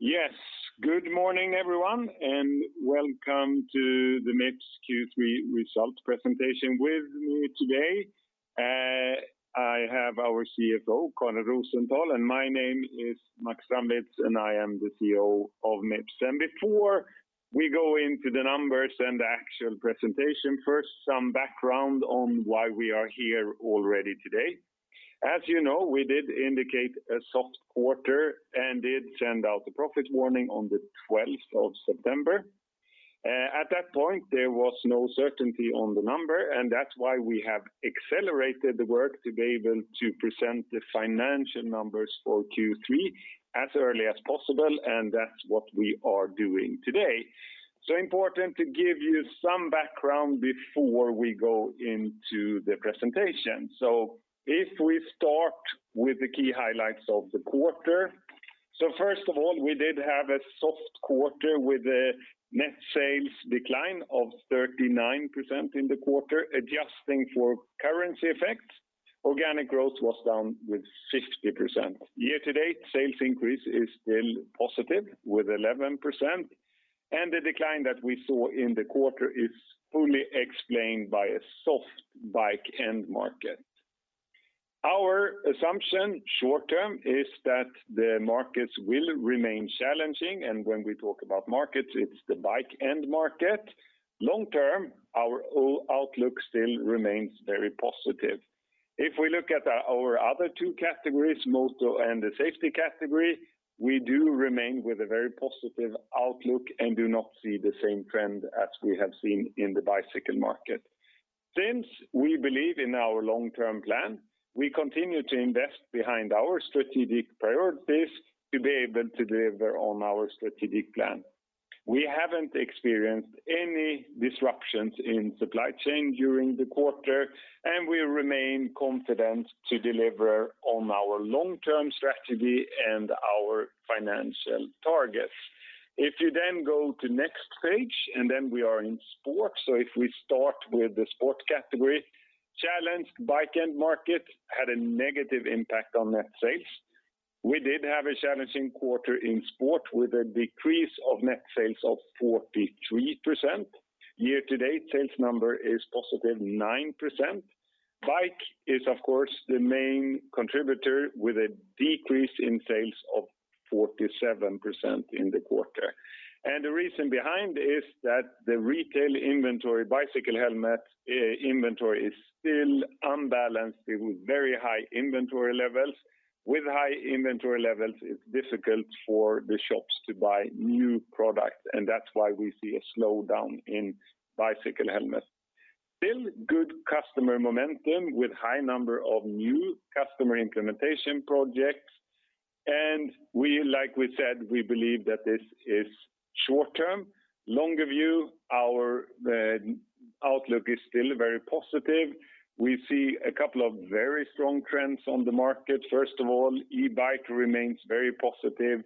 Yes. Good morning, everyone, and welcome to the Mips Q3 results presentation. With me today, I have our CFO, Karin Rosenthal, and my name is Max Strandwitz, and I am the CEO of Mips. Before we go into the numbers and the actual presentation, first, some background on why we are here already today. As you know, we did indicate a soft quarter and did send out the profit warning on the 12th of September. At that point, there was no certainty on the number, and that's why we have accelerated the work to be able to present the financial numbers for Q3 as early as possible, and that's what we are doing today. Important to give you some background before we go into the presentation. If we start with the key highlights of the quarter. First of all, we did have a soft quarter with a net sales decline of 39% in the quarter. Adjusting for currency effects, organic growth was down with 50%. Year to date, sales increase is still positive with 11%, and the decline that we saw in the quarter is fully explained by a soft bike end market. Our assumption short term is that the markets will remain challenging, and when we talk about markets, it's the bike end market. Long term, our outlook still remains very positive. If we look at our other two categories, Moto and the Safety category, we do remain with a very positive outlook and do not see the same trend as we have seen in the bicycle market. Since we believe in our long-term plan, we continue to invest behind our strategic priorities to be able to deliver on our strategic plan. We haven't experienced any disruptions in supply chain during the quarter, and we remain confident to deliver on our long-term strategy and our financial targets. If you then go to next page, and then we are in sport. If we start with the sport category. Challenged bike end market had a negative impact on net sales. We did have a challenging quarter in sport with a decrease of net sales of 43%. Year-to-date, sales number is positive 9%. Bike is, of course, the main contributor with a decrease in sales of 47% in the quarter. The reason behind is that the retail inventory, bicycle helmet inventory is still unbalanced with very high inventory levels. With high inventory levels, it's difficult for the shops to buy new product, and that's why we see a slowdown in bicycle helmets. Still good customer momentum with high number of new customer implementation projects. Like we said, we believe that this is short term. Longer view, our outlook is still very positive. We see a couple of very strong trends on the market. First of all, e-bike remains very positive.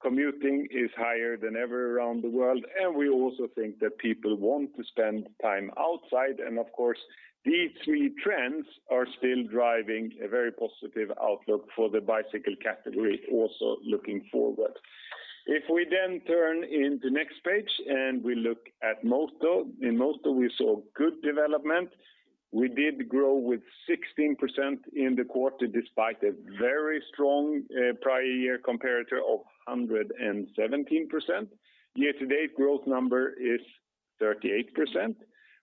Commuting is higher than ever around the world, and we also think that people want to spend time outside. Of course, these three trends are still driving a very positive outlook for the bicycle category also looking forward. If we then turn to next page and we look at Moto. In Moto, we saw good development. We did grow with 16% in the quarter despite a very strong prior year comparator of 117%. Year to date growth number is 38%.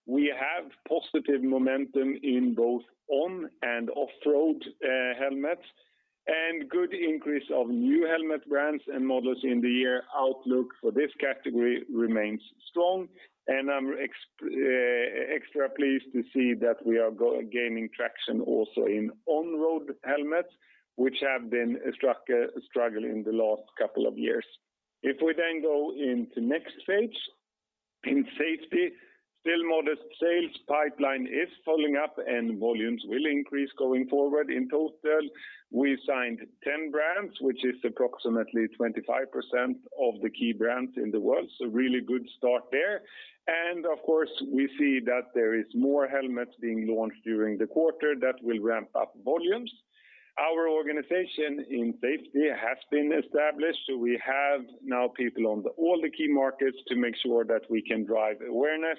We have positive momentum in both on and off-road helmets, and good increase of new helmet brands and models in the year. Outlook for this category remains strong, and I'm extra pleased to see that we are gaining traction also in on-road helmets, which have been a struggle in the last couple of years. If we then go into next page. In safety, still modest sales pipeline is following up and volumes will increase going forward. In total, we signed 10 brands, which is approximately 25% of the key brands in the world, so really good start there. Of course, we see that there is more helmets being launched during the quarter that will ramp up volumes. Our organization in safety has been established, so we have now people on all the key markets to make sure that we can drive awareness.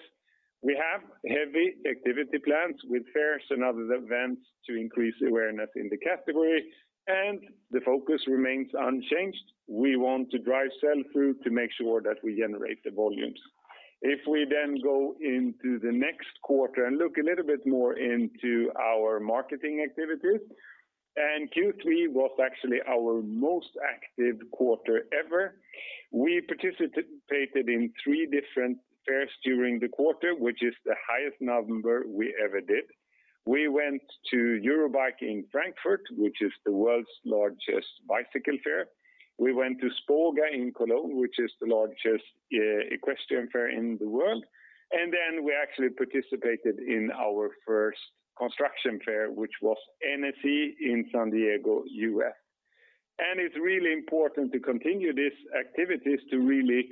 We have heavy activity plans with fairs and other events to increase awareness in the category, and the focus remains unchanged. We want to drive sell-through to make sure that we generate the volumes. If we then go into the next quarter and look a little bit more into our marketing activities. Q3 was actually our most active quarter ever. We participated in three different fairs during the quarter, which is the highest number we ever did. We went to Eurobike in Frankfurt, which is the world's largest bicycle fair. We went to spoga horse in Cologne, which is the largest equestrian fair in the world. Then we actually participated in our first construction fair, which was NSC in San Diego, U.S. It's really important to continue these activities to really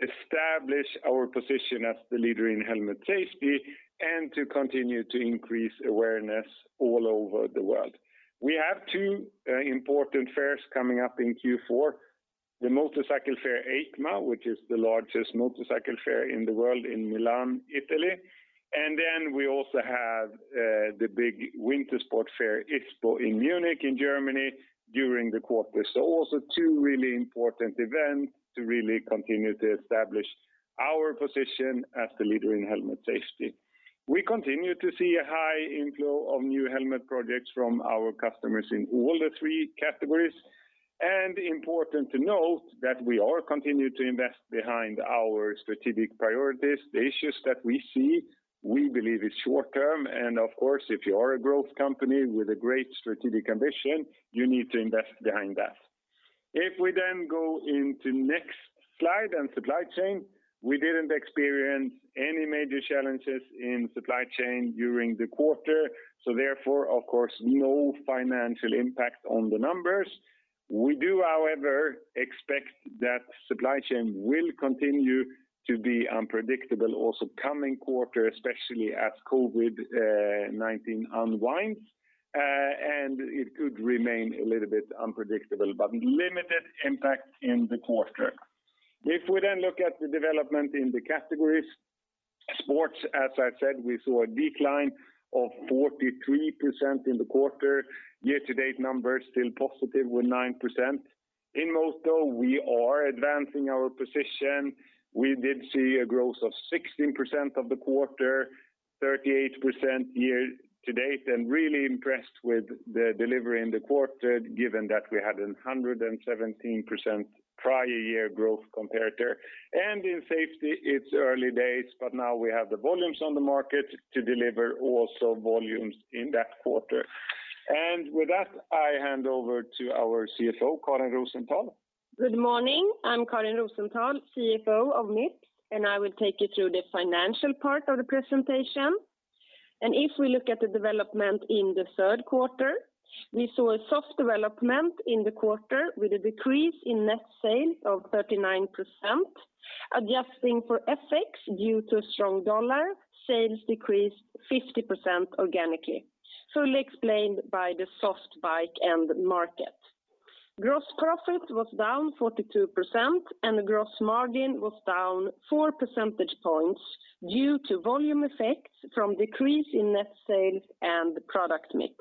establish our position as the leader in helmet safety and to continue to increase awareness all over the world. We have two important fairs coming up in Q4. The motorcycle fair, EICMA, which is the largest motorcycle fair in the world in Milan, Italy. Then we also have the big winter sport fair, ISPO in Munich, in Germany during the quarter. Also two really important events to really continue to establish our position as the leader in helmet safety. We continue to see a high inflow of new helmet projects from our customers in all the three categories. Important to note that we are continuing to invest behind our strategic priorities. The issues that we see we believe is short-term. Of course, if you are a growth company with a great strategic ambition, you need to invest behind that. If we then go into next slide and supply chain. We didn't experience any major challenges in supply chain during the quarter, so therefore, of course, no financial impact on the numbers. We do, however, expect that supply chain will continue to be unpredictable also coming quarter, especially as COVID-19 unwinds. It could remain a little bit unpredictable, but limited impact in the quarter. If we then look at the development in the categories. Sports, as I said, we saw a decline of 43% in the quarter. Year-to-date numbers still positive with 9%. In Moto, we are advancing our position. We did see a growth of 16% of the quarter, 38% year to date, and really impressed with the delivery in the quarter, given that we had a 117% prior year growth comparator. In safety, it's early days, but now we have the volumes on the market to deliver also volumes in that quarter. With that, I hand over to our CFO, Karin Rosenthal. Good morning. I'm Karin Rosenthal, CFO of Mips, and I will take you through the financial part of the presentation. If we look at the development in the third quarter, we saw a soft development in the quarter with a decrease in net sales of 39%. Adjusting for FX due to strong dollar, sales decreased 50% organically, fully explained by the soft bike end market. Gross profit was down 42% and gross margin was down 4 percentage points due to volume effects from decrease in net sales and product mix.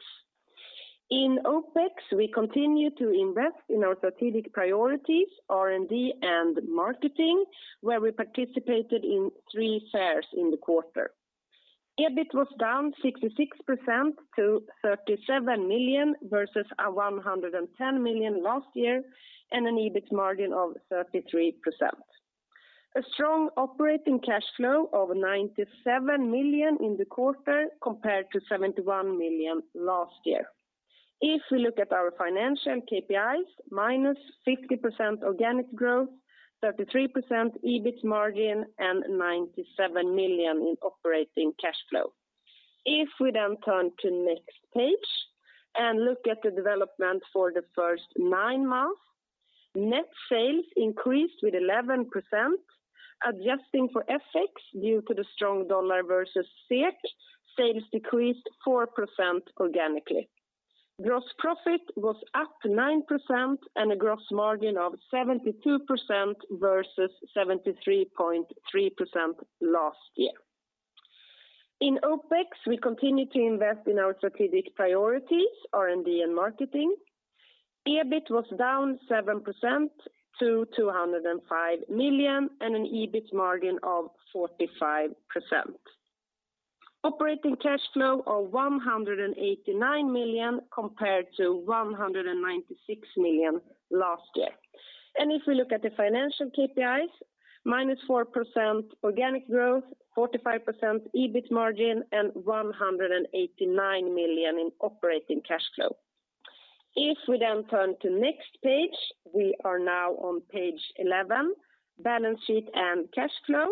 In OpEx, we continue to invest in our strategic priorities, R&D and marketing, where we participated in three fairs in the quarter. EBIT was down 66% to 37 million versus 110 million last year, and an EBIT margin of 33%. A strong operating cash flow of 97 million in the quarter compared to 71 million last year. If we look at our financial KPIs, minus 50% organic growth, 33% EBIT margin, and 97 million in operating cash flow. If we then turn to next page and look at the development for the first nine months. Net sales increased with 11%. Adjusting for FX due to the strong dollar versus SEK, sales decreased 4% organically. Gross profit was up 9% and a gross margin of 72% versus 73.3% last year. In OpEx, we continue to invest in our strategic priorities, R&D and marketing. EBIT was down 7% to 205 million and an EBIT margin of 45%. Operating cash flow of 189 million compared to 196 million last year. If we look at the financial KPIs, -4% organic growth, 45% EBIT margin, and 189 million in operating cash flow. If we then turn to next page, we are now on page 11, balance sheet and cash flow.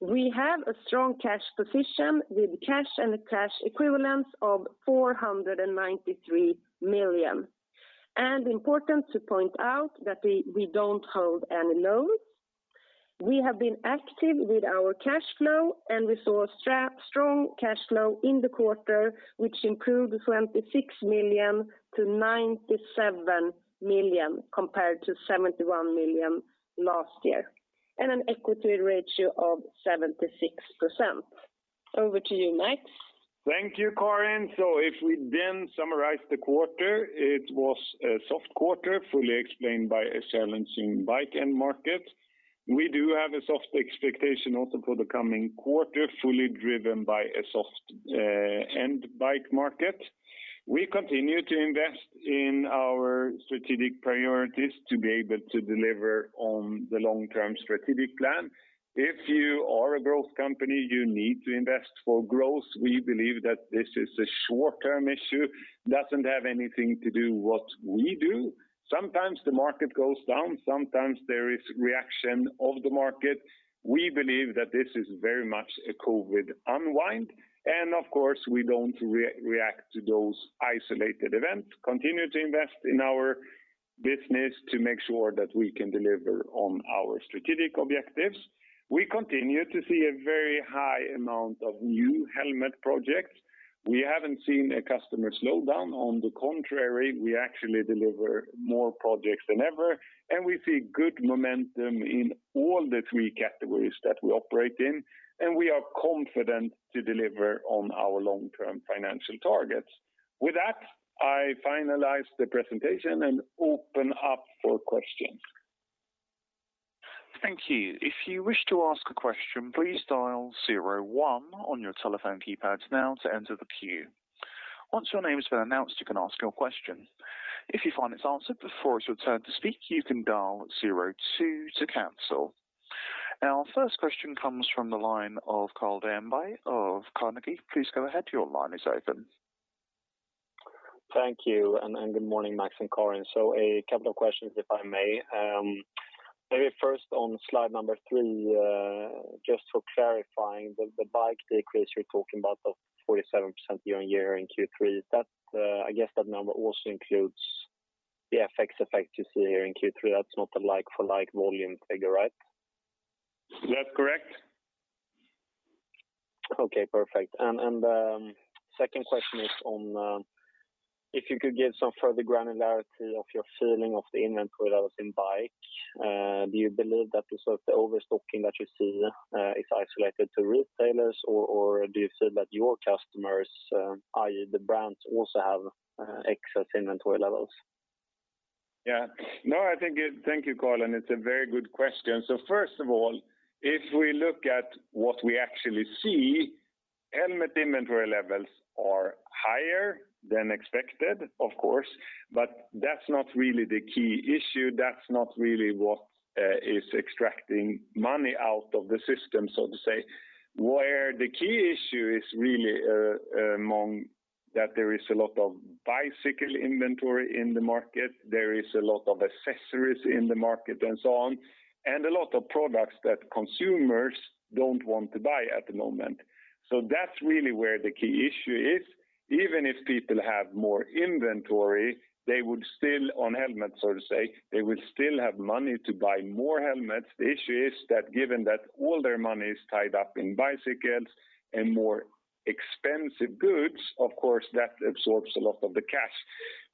We have a strong cash position with cash and cash equivalents of 493 million. Important to point out that we don't hold any loans. We have been active with our cash flow, and we saw strong cash flow in the quarter, which improved 26 million to 97 million compared to 71 million last year. An equity ratio of 76%. Over to you, Max. Thank you, Karin. If we then summarize the quarter, it was a soft quarter, fully explained by a challenging bike end market. We do have a soft expectation also for the coming quarter, fully driven by a soft end bike market. We continue to invest in our strategic priorities to be able to deliver on the long-term strategic plan. If you are a growth company, you need to invest for growth. We believe that this is a short-term issue, doesn't have anything to do with what we do. Sometimes the market goes down, sometimes there is reaction of the market. We believe that this is very much a COVID unwind. Of course, we don't react to those isolated events. Continue to invest in our business to make sure that we can deliver on our strategic objectives. We continue to see a very high amount of new helmet projects. We haven't seen a customer slow down. On the contrary, we actually deliver more projects than ever, and we see good momentum in all the three categories that we operate in, and we are confident to deliver on our long-term financial targets. With that, I finalize the presentation and open up for questions. Thank you. If you wish to ask a question, please dial zero one on your telephone keypad now to enter the queue. Once your name has been announced, you can ask your question. If you find it's answered before it's your turn to speak, you can dial zero two to cancel. Our first question comes from the line of Carl Deijenberg of Carnegie. Please go ahead. Your line is open. Thank you. Good morning, Max and Karin. A couple of questions, if I may. Maybe first on slide number three, just for clarifying the bike decrease you're talking about of 47% year-on-year in Q3, that I guess that number also includes the FX effect you see here in Q3. That's not the like-for-like volume figure, right? That's correct. Okay, perfect. Second question is on if you could give some further granularity of your feeling of the inventory levels in bike. Do you believe that the sort of overstocking that you see is isolated to retailers or do you feel that your customers, i.e., the brands also have excess inventory levels? No, I think. Thank you, Carl, and it's a very good question. First of all, if we look at what we actually see, helmet inventory levels are higher than expected, of course. That's not really the key issue. That's not really what is extracting money out of the system, so to say. The key issue is really that there is a lot of bicycle inventory in the market. There is a lot of accessories in the market and so on, and a lot of products that consumers don't want to buy at the moment. That's really where the key issue is. Even if people have more inventory, they would still on helmets, so to say, they will still have money to buy more helmets. The issue is that given that all their money is tied up in bicycles and more expensive goods, of course, that absorbs a lot of the cash.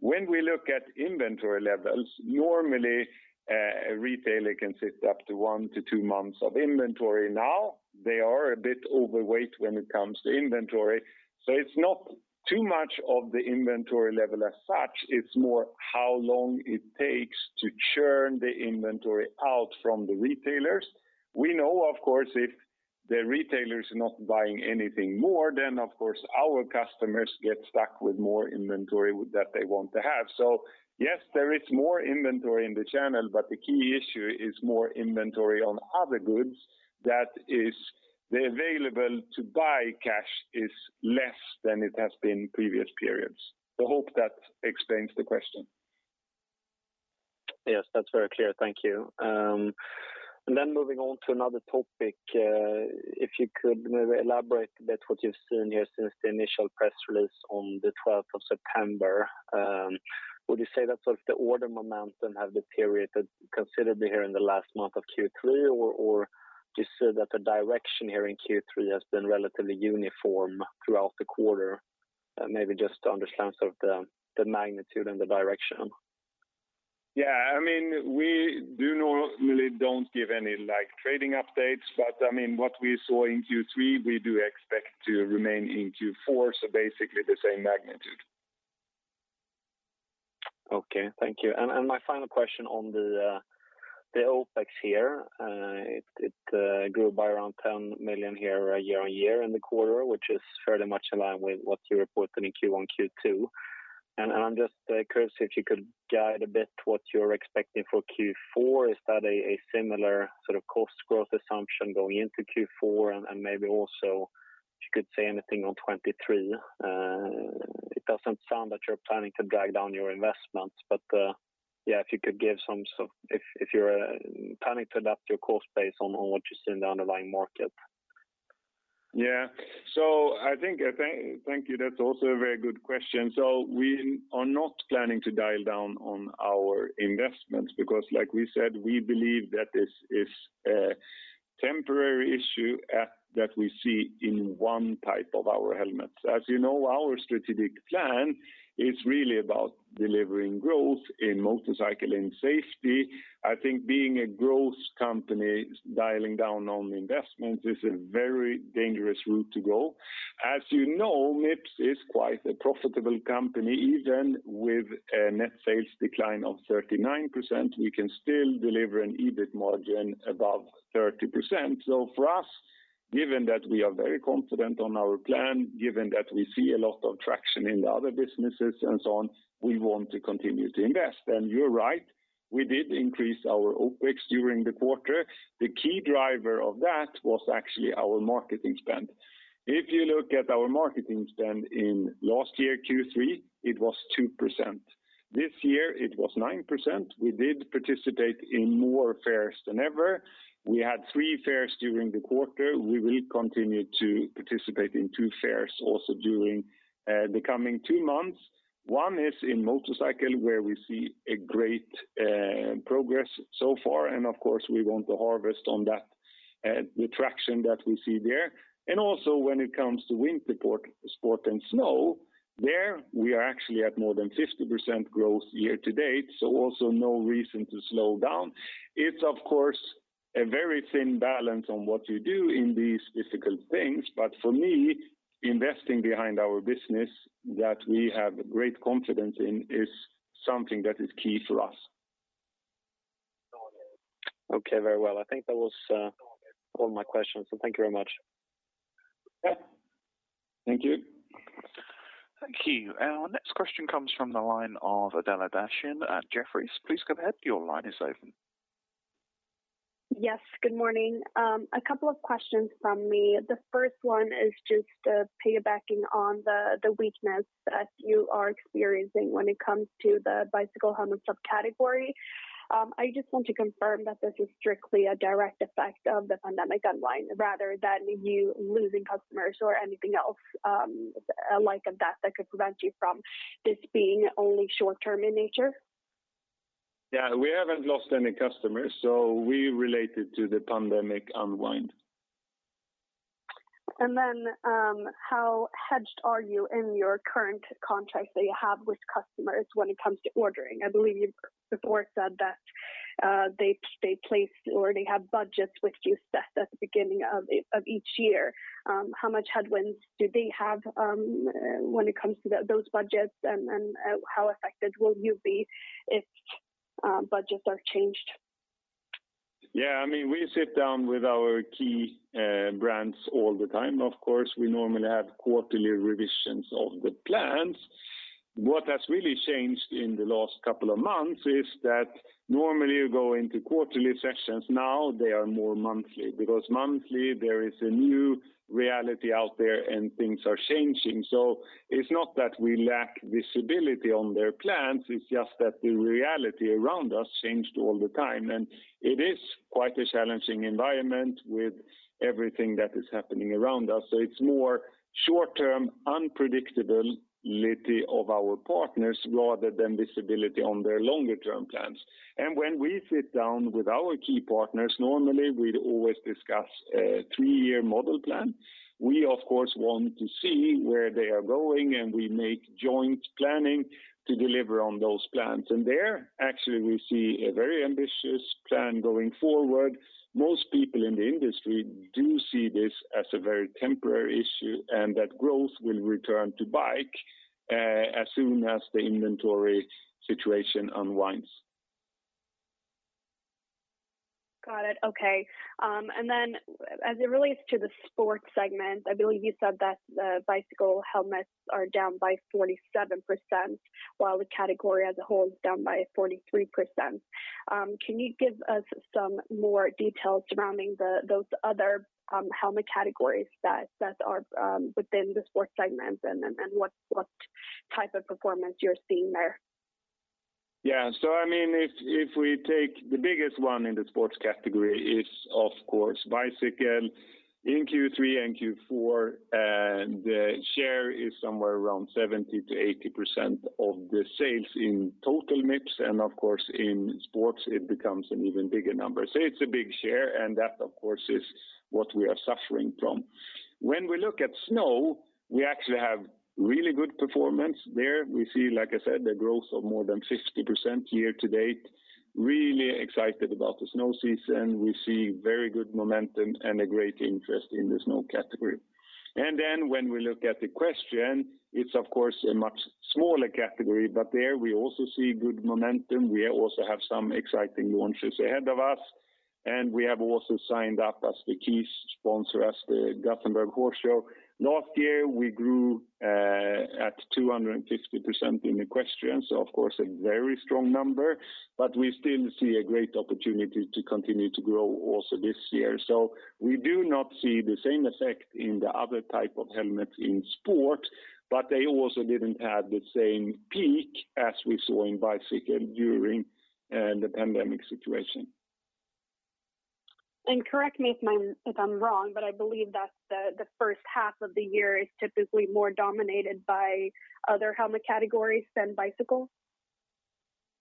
When we look at inventory levels, normally a retailer can sit up to 1-2 months of inventory. Now, they are a bit overweight when it comes to inventory, so it's not too much of the inventory level as such. It's more how long it takes to churn the inventory out from the retailers. We know, of course, if the retailer is not buying anything more, then of course our customers get stuck with more inventory that they want to have. Yes, there is more inventory in the channel, but the key issue is more inventory on other goods. That is the available to buy cash is less than it has been previous periods. I hope that explains the question. Yes, that's very clear. Thank you. Moving on to another topic, if you could maybe elaborate a bit what you've seen here since the initial press release on the twelfth of September. Would you say that sort of the order momentum have deteriorated considerably here in the last month of Q3, or do you say that the direction here in Q3 has been relatively uniform throughout the quarter? Maybe just to understand sort of the magnitude and the direction. Yeah. I mean, we do normally don't give any like trading updates, but I mean, what we saw in Q3, we do expect to remain in Q4, so basically the same magnitude. Okay. Thank you. My final question on the OpEx here. It grew by around 10 million year on year in the quarter, which is fairly much in line with what you reported in Q1, Q2. I'm just curious if you could guide a bit what you're expecting for Q4. Is that a similar sort of cost growth assumption going into Q4? Maybe also if you could say anything on 2023. It doesn't sound that you're planning to drag down your investments, but if you're planning to adapt your cost base on what you see in the underlying market. Thank you. That's also a very good question. We are not planning to dial down on our investments because like we said, we believe that this is a temporary issue that we see in one type of our helmets. As you know, our strategic plan is really about delivering growth in motorcycle and safety. I think being a growth company, dialing down on investment is a very dangerous route to go. As you know, Mips is quite a profitable company. Even with a net sales decline of 39%, we can still deliver an EBIT margin above 30%. For us, given that we are very confident on our plan, given that we see a lot of traction in the other businesses and so on, we want to continue to invest. You're right, we did increase our OpEx during the quarter. The key driver of that was actually our marketing spend. If you look at our marketing spend in last year, Q3, it was 2%. This year it was 9%. We did participate in more fairs than ever. We had 3 fairs during the quarter. We will continue to participate in 2 fairs also during the coming two months. One is in motorcycle, where we see a great progress so far, and of course, we want to harvest on that, the traction that we see there. Also when it comes to winter sport and snow, there we are actually at more than 50% growth year to date, so also no reason to slow down. It's of course a very thin balance on what you do in these difficult things. For me, investing behind our business that we have great confidence in is something that is key for us. Okay. Very well. I think that was all my questions, so thank you very much. Yeah. Thank you. Thank you. Our next question comes from the line of Adela Dashian at Jefferies. Please go ahead. Your line is open. Yes, good morning. A couple of questions from me. The first one is just piggybacking on the weakness that you are experiencing when it comes to the bicycle helmet sub-category. I just want to confirm that this is strictly a direct effect of the pandemic online rather than you losing customers or anything else, like that could prevent you from this being only short-term in nature. Yeah. We haven't lost any customers, so we relate it to the pandemic unwind. How hedged are you in your current contracts that you have with customers when it comes to ordering? I believe you've before said that they placed or they have budgets with you set at the beginning of of each year. How much headwinds do they have when it comes to those budgets and how affected will you be if budgets are changed? Yeah, I mean, we sit down with our key brands all the time. Of course, we normally have quarterly revisions of the plans. What has really changed in the last couple of months is that normally you go into quarterly sessions, now they are more monthly. Because monthly there is a new reality out there and things are changing. So it's not that we lack visibility on their plans, it's just that the reality around us changed all the time. It is quite a challenging environment with everything that is happening around us. So it's more short-term unpredictability of our partners rather than visibility on their longer-term plans. When we sit down with our key partners, normally we'd always discuss a three-year model plan. We of course want to see where they are going, and we make joint planning to deliver on those plans. There actually we see a very ambitious plan going forward. Most people in the industry do see this as a very temporary issue, and that growth will return to bike as soon as the inventory situation unwinds. Got it. Okay. As it relates to the sports segment, I believe you said that bicycle helmets are down by 47%, while the category as a whole is down by 43%. Can you give us some more details surrounding those other helmet categories that are within the sports segment and what type of performance you're seeing there? Yeah. I mean, if we take the biggest one in the sports category is of course bicycle. In Q3 and Q4, the share is somewhere around 70%-80% of the sales in total mix, and of course in sports it becomes an even bigger number. It's a big share, and that of course is what we are suffering from. When we look at snow, we actually have really good performance there. We see, like I said, the growth of more than 50% year to date. Really excited about the snow season. We see very good momentum and a great interest in the snow category. When we look at the equestrian, it's of course a much smaller category, but there we also see good momentum. We also have some exciting launches ahead of us, and we have also signed up as the key sponsor of the Gothenburg Horse Show. Last year, we grew at 250% in equestrian, so of course a very strong number. We still see a great opportunity to continue to grow also this year. We do not see the same effect in the other type of helmets in sport, but they also didn't have the same peak as we saw in bicycle during the pandemic situation. Correct me if I'm wrong, but I believe that the first half of the year is typically more dominated by other helmet categories than bicycle.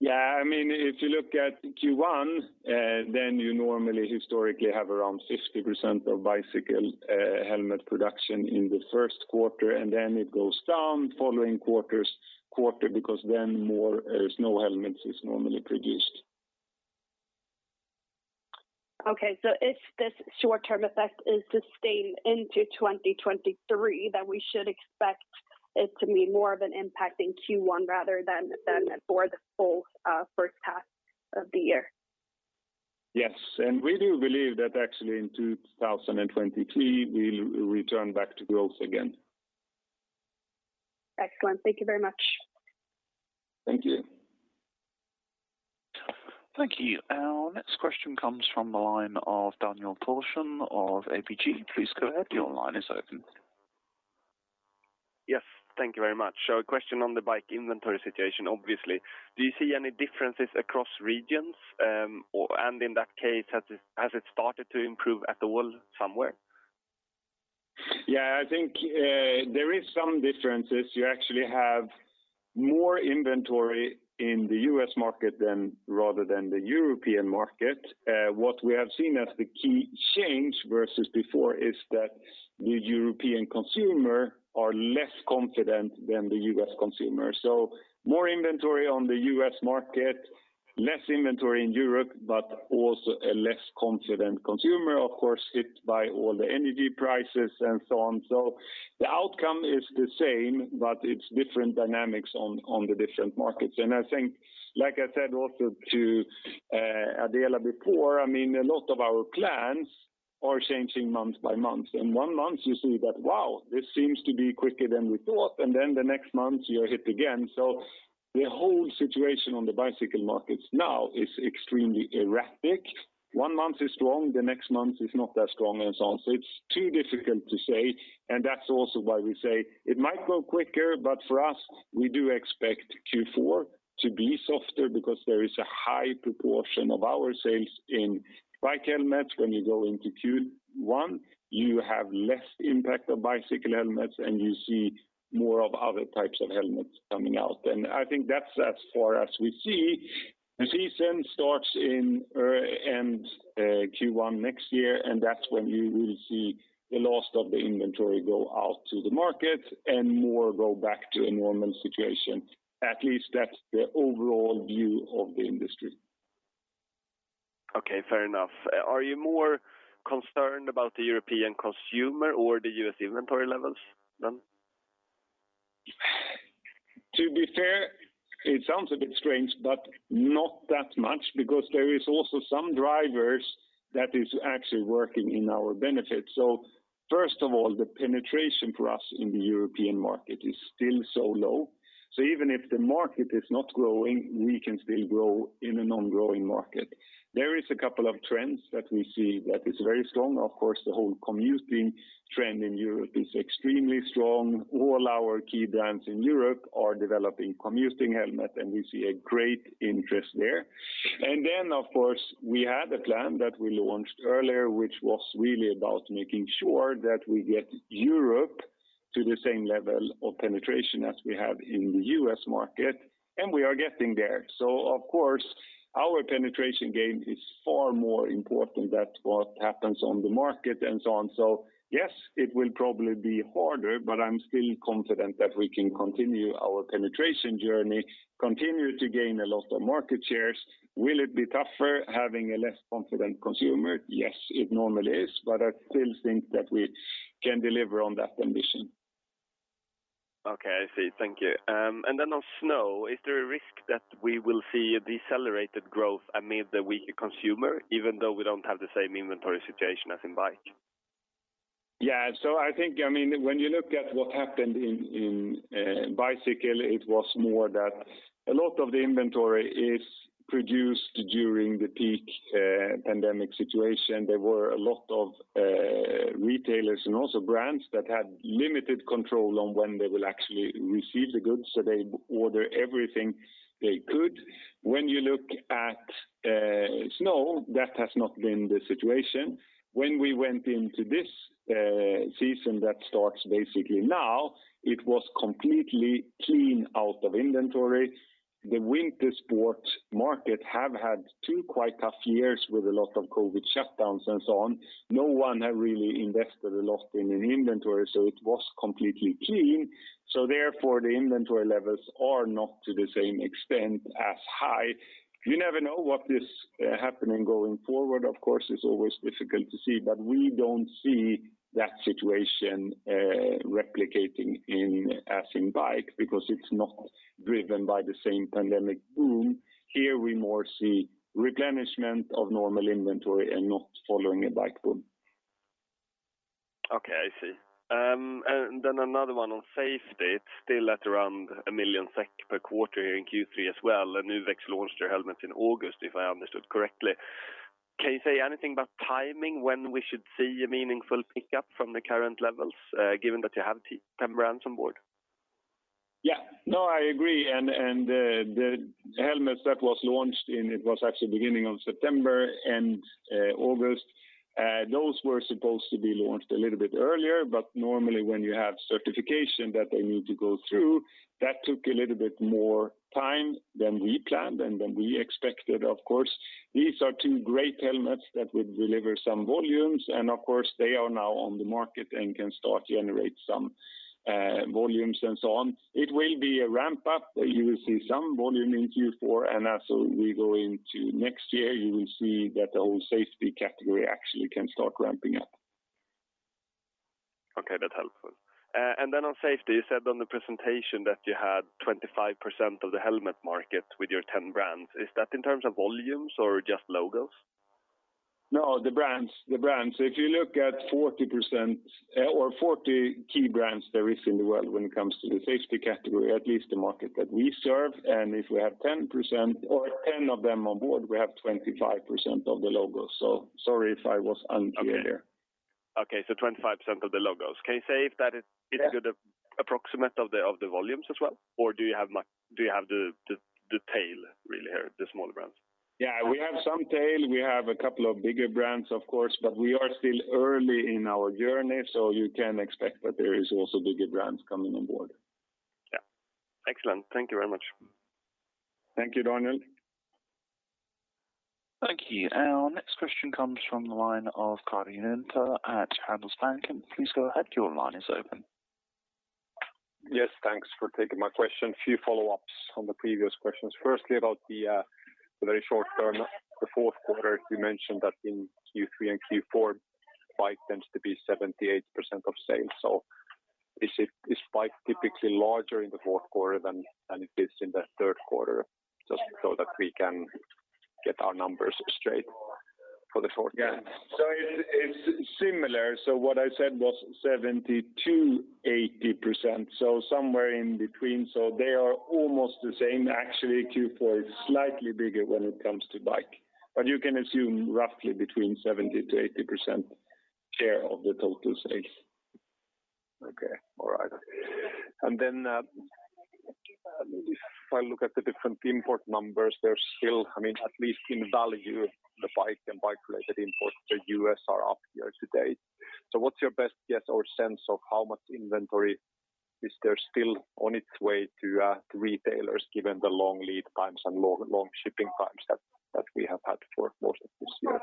Yeah. I mean, if you look at Q1, then you normally historically have around 50% of bicycle helmet production in the Q1, and then it goes down following quarters because then more snow helmets is normally produced. If this short-term effect is sustained into 2023, then we should expect it to be more of an impact in Q1 rather than for the full first half of the year. Yes. We do believe that actually in 2023 we'll return back to growth again. Excellent. Thank you very much. Thank you. Thank you. Our next question comes from the line of Daniel Thorsson of ABG. Please go ahead. Your line is open. Yes. Thank you very much. A question on the bike inventory situation, obviously. Do you see any differences across regions? Or, in that case, has it started to improve at all somewhere? Yeah, I think there is some differences. You actually have more inventory in the U.S. market rather than the European market. What we have seen as the key change versus before is that the European consumer are less confident than the U.S. consumer. More inventory on the U.S. market, less inventory in Europe, but also a less confident consumer, of course, hit by all the energy prices and so on. The outcome is the same, but it's different dynamics on the different markets. I think, like I said also to Adela before, I mean, a lot of our plans are changing month by month. In one month you see that, wow, this seems to be quicker than we thought, and then the next month you're hit again. The whole situation on the bicycle markets now is extremely erratic. One month is strong, the next month is not that strong and so on. It's too difficult to say, and that's also why we say it might go quicker, but for us, we do expect Q4 to be softer because there is a high proportion of our sales in bike helmets. When you go into Q1, you have less impact of bicycle helmets, and you see more of other types of helmets coming out. I think that's as far as we see. The season starts in end of Q1 next year, and that's when you will see the last of the inventory go out to the market and more go back to a normal situation. At least that's the overall view of the industry. Okay, fair enough. Are you more concerned about the European consumer or the US inventory levels then? To be fair, it sounds a bit strange, but not that much because there is also some drivers that is actually working in our benefit. First of all, the penetration for us in the European market is still so low. Even if the market is not growing, we can still grow in a non-growing market. There is a couple of trends that we see that is very strong. Of course, the whole commuting trend in Europe is extremely strong. All our key brands in Europe are developing commuting helmet, and we see a great interest there. Then, of course, we had a plan that we launched earlier, which was really about making sure that we get Europe to the same level of penetration as we have in the U.S. market, and we are getting there. Of course, our penetration gain is far more important than what happens on the market and so on. Yes, it will probably be harder, but I'm still confident that we can continue our penetration journey, continue to gain a lot of market shares. Will it be tougher having a less confident consumer? Yes, it normally is, but I still think that we can deliver on that ambition. Okay, I see. Thank you. On snow, is there a risk that we will see a decelerated growth amid the weaker consumer, even though we don't have the same inventory situation as in bike? Yeah. I think, I mean, when you look at what happened in bicycle, it was more that a lot of the inventory is produced during the peak pandemic situation. There were a lot of retailers and also brands that had limited control on when they will actually receive the goods, so they order everything they could. When you look at snow, that has not been the situation. When we went into this season that starts basically now, it was completely clean out of inventory. The winter sport market have had two quite tough years with a lot of COVID shutdowns and so on. No one had really invested a lot in an inventory, so it was completely clean. Therefore, the inventory levels are not to the same extent as high. You never know what is happening going forward. Of course, it's always difficult to see, but we don't see that situation replicating as in bike because it's not driven by the same pandemic boom. Here we more see replenishment of normal inventory and not following a bike boom. Okay, I see. Another one on safety. It's still at around 1 million SEK per quarter in Q3 as well, and Uvex launched their helmets in August, if I understood correctly. Can you say anything about timing when we should see a meaningful pickup from the current levels, given that you have 10 brands on board? Yeah. No, I agree. The helmets that was launched in, it was actually beginning of September and August, those were supposed to be launched a little bit earlier. Normally when you have certification that they need to go through, that took a little bit more time than we planned and than we expected, of course. These are two great helmets that would deliver some volumes, and of course, they are now on the market and can start generate some volumes and so on. It will be a ramp up. You will see some volume in Q4, and as we go into next year, you will see that the whole safety category actually can start ramping up. Okay, that's helpful. On safety, you said on the presentation that you had 25% of the helmet market with your 10 brands. Is that in terms of volumes or just logos? No, the brands, the brands. If you look at 40% or 40 key brands there is in the world when it comes to the safety category, at least the market that we serve, and if we have 10% or 10 of them on board, we have 25% of the logos. Sorry if I was unclear there. Okay. 25% of the logos. Can you say if that is- Yes. approximate of the volumes as well? Or do you have the tail really here, the smaller brands? Yeah. We have some tail. We have a couple of bigger brands, of course, but we are still early in our journey, so you can expect that there is also bigger brands coming on board. Yeah. Excellent. Thank you very much. Thank you, Daniel. Thank you. Our next question comes from the line of Gustav Hagéus at Handelsbanken. Please go ahead. Your line is open. Yes, thanks for taking my question. A few follow-ups on the previous questions. Firstly, about the very short term, the Q4, you mentioned that in Q3 and Q4, bike tends to be 78% of sales. Is bike typically larger in the Q4 than it is in the third quarter? Just so that we can get our numbers straight for the Q4? Yeah. It's similar. What I said was 70%-80%, so somewhere in between. They are almost the same. Actually, Q4 is slightly bigger when it comes to bike. You can assume roughly between 70%-80% share of the total sales. Then, if I look at the different import numbers, they're still, I mean, at least in value, the bike and bike-related imports to U.S. are up year to date. What's your best guess or sense of how much inventory is there still on its way to retailers, given the long lead times and long shipping times that we have had for most of this year?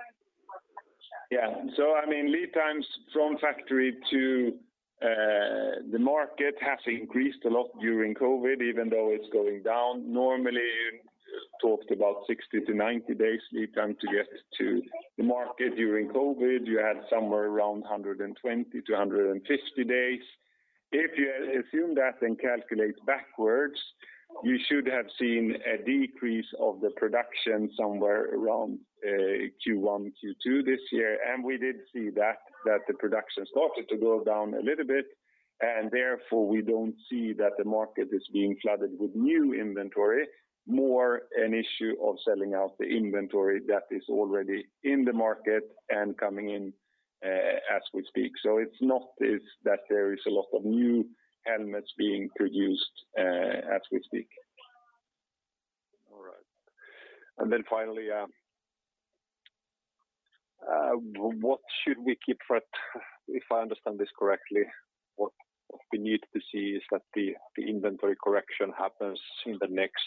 Yeah. I mean, lead times from factory to the market has increased a lot during COVID, even though it's going down. Normally, you talked about 60-90 days lead time to get to the market. During COVID, you had somewhere around 120-150 days. If you assume that and calculate backwards, you should have seen a decrease of the production somewhere around Q1, Q2 this year. We did see that the production started to go down a little bit, and therefore, we don't see that the market is being flooded with new inventory, more an issue of selling out the inventory that is already in the market and coming in as we speak. It's not this, that there is a lot of new helmets being produced as we speak. All right. Finally, if I understand this correctly, what we need to see is that the inventory correction happens in the next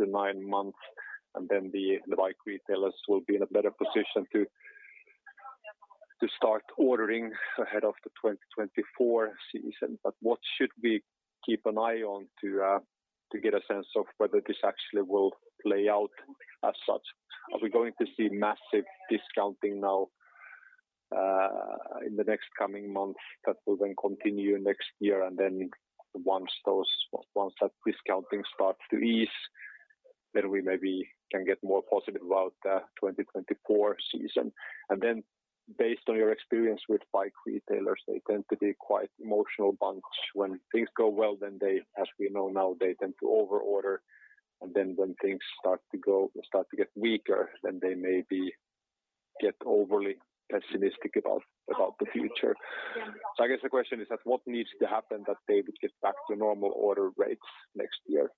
6-9 months, and then the bike retailers will be in a better position to start ordering ahead of the 2024 season. What should we keep an eye on to get a sense of whether this actually will play out as such? Are we going to see massive discounting now in the next coming months that will then continue next year? Once that discounting starts to ease, then we maybe can get more positive about the 2024 season. Based on your experience with bike retailers, they tend to be quite emotional bunch. When things go well, then they, as we know now, they tend to over-order. When things start to get weaker, then they maybe get overly pessimistic about the future. I guess the question is that what needs to happen that they would get back to normal order rates next year?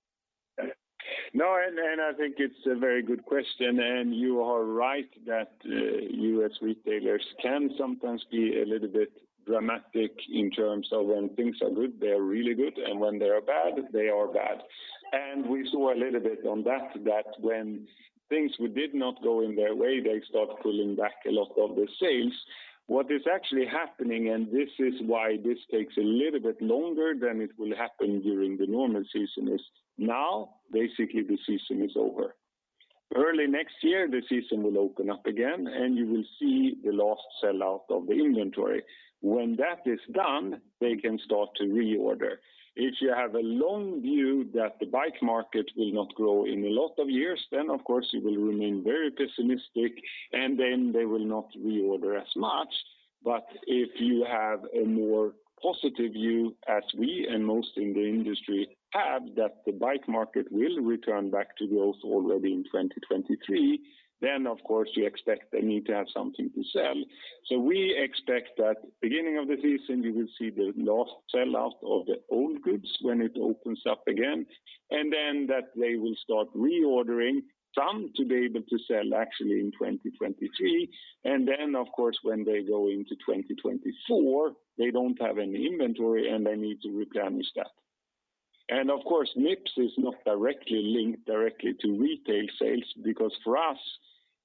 No, I think it's a very good question. You are right that U.S. retailers can sometimes be a little bit dramatic in terms of when things are good, they are really good, and when they are bad, they are bad. We saw a little bit of that when things did not go their way, they start pulling back a lot of the sales. What is actually happening, and this is why this takes a little bit longer than it will happen during the normal season, is now basically the season is over. Early next year, the season will open up again, and you will see the last sell-out of the inventory. When that is done, they can start to reorder. If you have a long view that the bike market will not grow in a lot of years, then of course you will remain very pessimistic, and then they will not reorder as much. If you have a more positive view, as we and most in the industry have, that the bike market will return back to growth already in 2023, then of course you expect they need to have something to sell. We expect that beginning of the season, you will see the last sell-out of the old goods when it opens up again, and then that they will start reordering some to be able to sell actually in 2023. Of course, when they go into 2024, they don't have any inventory, and they need to replenish that. Of course, Mips is not directly linked to retail sales because for us,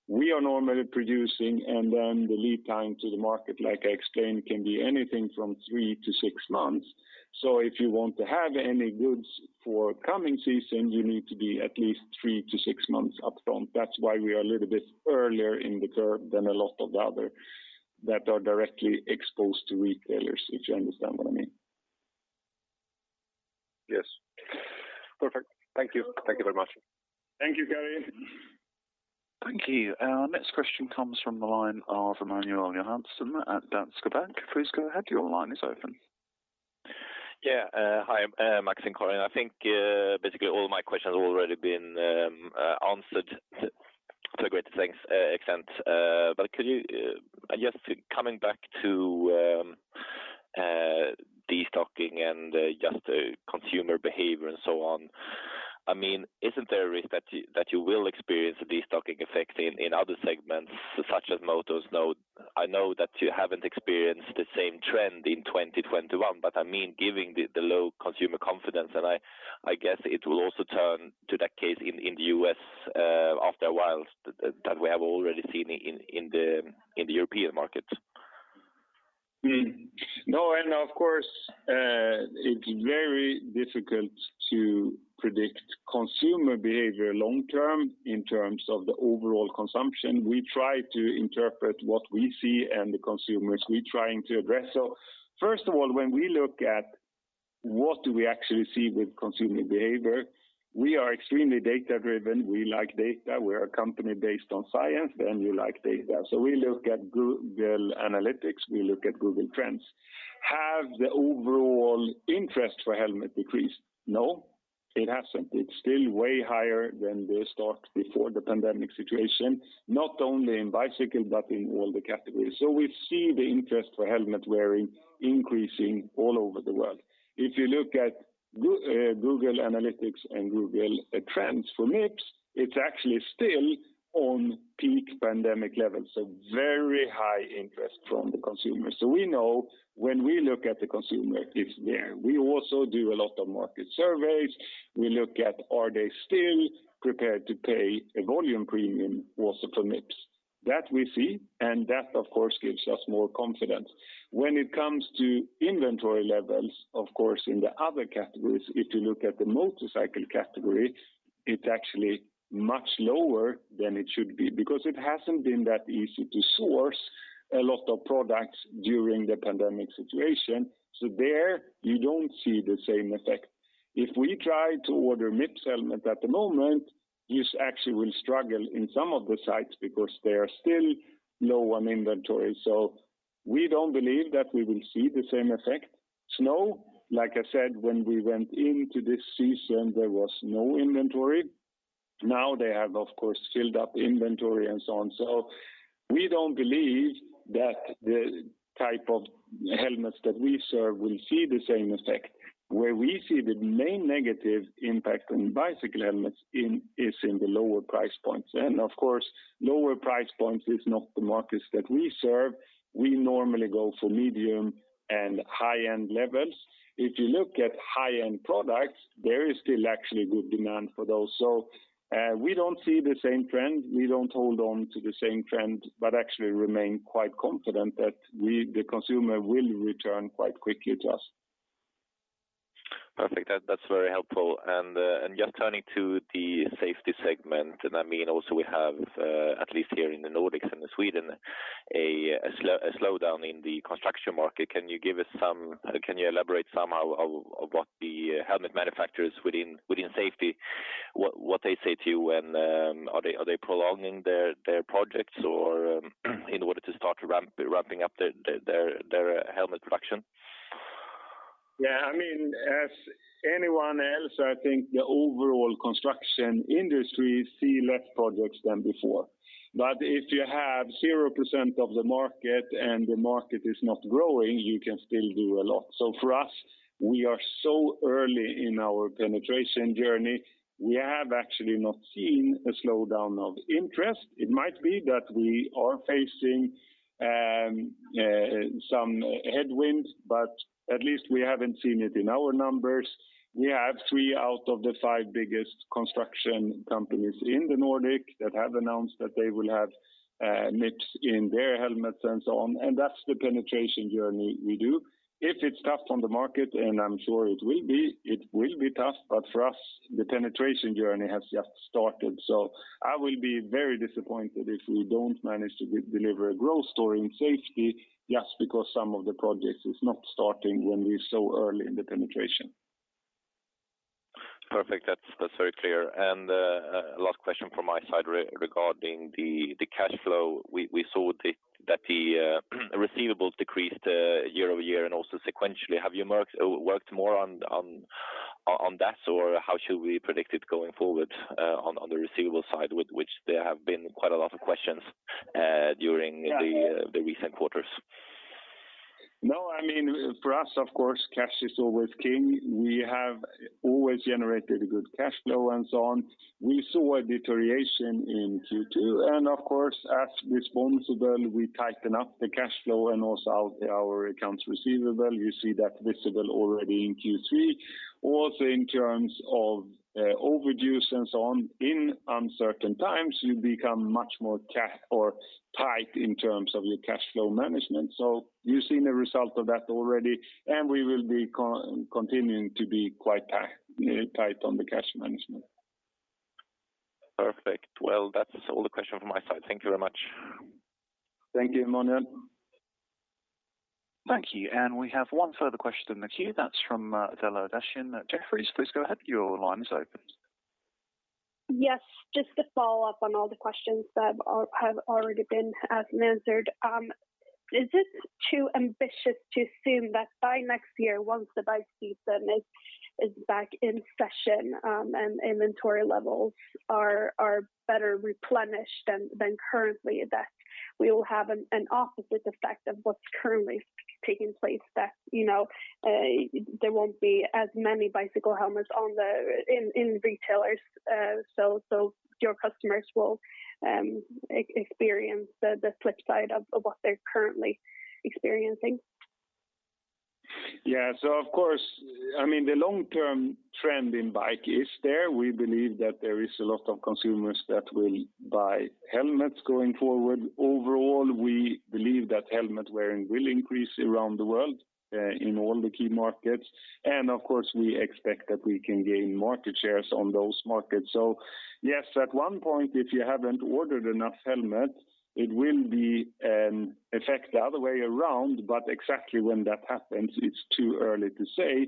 we are normally producing, and then the lead time to the market, like I explained, can be anything from 3-6 months. If you want to have any goods for coming season, you need to be at least 3-6 months up front. That's why we are a little bit earlier in the curve than a lot of the other that are directly exposed to retailers, if you understand what I mean. Yes. Perfect. Thank you. Thank you very much. Thank you, Gustav Hagéus. Thank you. Our next question comes from the line of Emanuel Jansson at Danske Bank. Please go ahead. Your line is open. Yeah. Hi, Max, I'm calling. I think basically all my questions have already been answered to a great extent, but could you just coming back to destocking and just consumer behavior and so on. I mean, isn't there a risk that you will experience a destocking effect in other segments such as motors? Now, I know that you haven't experienced the same trend in 2021, but I mean, given the low consumer confidence, and I guess it will also turn to that case in the U.S. after a while that we have already seen in the European market. No. Of course, it's very difficult to predict consumer behavior long term in terms of the overall consumption. We try to interpret what we see and the consumers we're trying to address. First of all, when we look at what do we actually see with consumer behavior, we are extremely data-driven. We like data. We're a company based on science, then you like data. We look at Google Analytics, we look at Google Trends. Have the overall interest for helmet decreased? No, it hasn't. It's still way higher than the start before the pandemic situation, not only in bicycle, but in all the categories. We see the interest for helmet wearing increasing all over the world. If you look at Google Analytics and Google Trends for Mips, it's actually still on peak pandemic levels, so very high interest from the consumer. We know when we look at the consumer, it's there. We also do a lot of market surveys. We look at are they still prepared to pay a volume premium also for Mips. That we see, and that, of course, gives us more confidence. When it comes to inventory levels, of course, in the other categories, if you look at the motorcycle category, it's actually much lower than it should be because it hasn't been that easy to source a lot of products during the pandemic situation. There you don't see the same effect. If we try to order Mips helmet at the moment, this actually will struggle in some of the sites because they are still low on inventory. We don't believe that we will see the same effect. Snow, like I said, when we went into this season, there was no inventory. They have, of course, filled up inventory and so on. We don't believe that the type of helmets that we serve will see the same effect. Where we see the main negative impact on bicycle helmets is in the lower price points. Of course, lower price points is not the markets that we serve. We normally go for medium and high end levels. If you look at high-end products, there is still actually good demand for those. We don't see the same trend. We don't hold on to the same trend, but actually remain quite confident that the consumer will return quite quickly to us. Perfect. That's very helpful. Just turning to the safety segment, I mean, also we have at least here in the Nordics and Sweden, a slowdown in the construction market. Can you elaborate some of what the helmet manufacturers within safety, what they say to you when? Are they prolonging their projects or in order to start ramping up their helmet production? Yeah, I mean, as anyone else, I think the overall construction industry see less projects than before. If you have 0% of the market and the market is not growing, you can still do a lot. For us, we are so early in our penetration journey. We have actually not seen a slowdown of interest. It might be that we are facing some headwinds, but at least we haven't seen it in our numbers. We have three out of the five biggest construction companies in the Nordic that have announced that they will have Mips in their helmets and so on, and that's the penetration journey we do. If it's tough on the market, and I'm sure it will be, it will be tough. For us, the penetration journey has just started. I will be very disappointed if we don't manage to deliver a growth story in safety just because some of the projects are not starting when we're so early in the penetration. Perfect. That's very clear. Last question from my side regarding the cash flow. We saw that the receivables decreased year-over-year and also sequentially. Have you worked more on that, or how should we predict it going forward on the receivables side with which there have been quite a lot of questions during the recent quarters? No. I mean, for us, of course, cash is always king. We have always generated a good cash flow and so on. We saw a deterioration in Q2, and of course, as responsible, we tighten up the cash flow and also our accounts receivable. You see that visible already in Q3. Also in terms of, overdues and so on, in uncertain times, you become much more or tight in terms of your cash flow management. You've seen a result of that already, and we will be continuing to be quite tight on the cash management. Perfect. Well, that's all the questions from my side. Thank you very much. Thank you, Emanuel Jansson. Thank you. We have one further question in the queue. That's from Adela Dashian at Jefferies. Please go ahead. Your line is open. Yes, just to follow up on all the questions that have already been asked and answered. Is it too ambitious to assume that by next year, once the bike season is back in session, and inventory levels are better replenished than currently, that we will have an opposite effect of what's currently taking place that there won't be as many bicycle helmets in retailers? So your customers will experience the flip side of what they're currently experiencing? Yeah. Of course, I mean, the long term trend in bike is there. We believe that there is a lot of consumers that will buy helmets going forward. Overall, we believe that helmet wearing will increase around the world, in all the key markets, and of course, we expect that we can gain market shares on those markets. Yes, at one point, if you haven't ordered enough helmets, it will be, affect the other way around. Exactly when that happens, it's too early to say.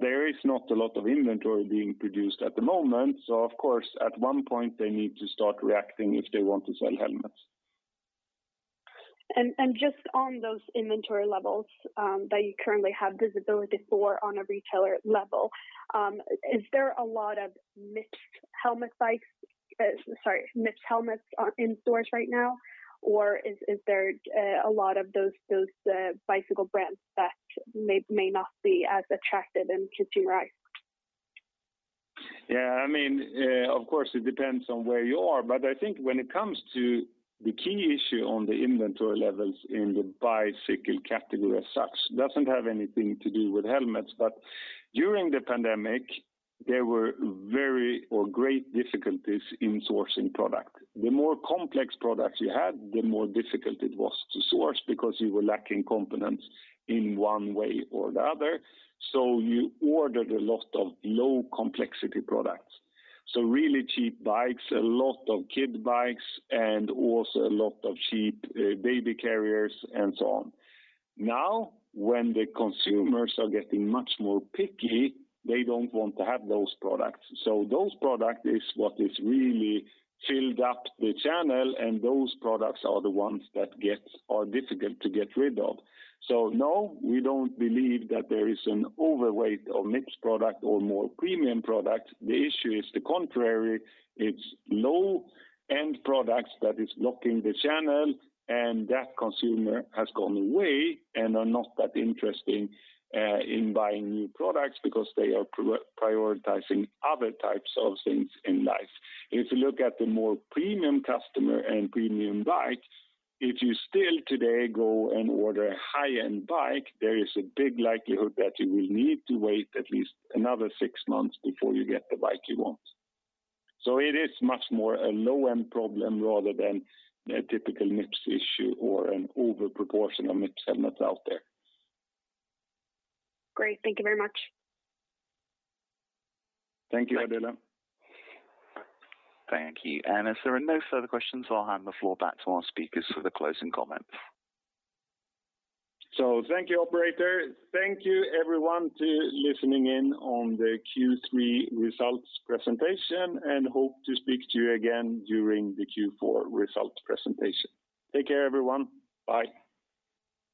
There is not a lot of inventory being produced at the moment, so of course, at one point they need to start reacting if they want to sell helmets. Just on those inventory levels that you currently have visibility for on a retailer level, is there a lot of mixed helmets in stores right now, or is there a lot of those bicycle brands that may not be as attractive in consumer eyes? Yeah, I mean, of course it depends on where you are, but I think when it comes to the key issue on the inventory levels in the bicycle category as such, doesn't have anything to do with helmets. During the pandemic, there were great difficulties in sourcing product. The more complex products you had, the more difficult it was to source because you were lacking components in one way or the other. You ordered a lot of low complexity products. Really cheap bikes, a lot of kid bikes, and also a lot of cheap baby carriers and so on. Now, when the consumers are getting much more picky, they don't want to have those products. Those product is what is really filled up the channel, and those products are the ones that are difficult to get rid of. No, we don't believe that there is an overweight of Mips product or more premium product. The issue is the contrary. It's low-end products that is blocking the channel, and that consumer has gone away and are not that interesting in buying new products because they are prioritizing other types of things in life. If you look at the more premium customer and premium bikes, if you still today go and order a high-end bike, there is a big likelihood that you will need to wait at least another six months before you get the bike you want. It is much more a low-end problem rather than a typical Mips issue or an overproportional Mips helmets out there. Great. Thank you very much. Thank you, Adela. Thank you. If there are no further questions, I'll hand the floor back to our speakers for the closing comments. Thank you, operator. Thank you everyone for listening in on the Q3 results presentation, and hope to speak to you again during the Q4 results presentation. Take care everyone. Bye.